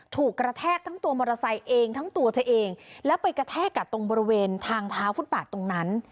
ถูกกระแทกทั้งตัวมอเตอร์ไซค์เองทั้งตัวเธอเองแล้วไปกระแทกกับตรงบริเวณทางเท้าฟุตบาทตรงนั้น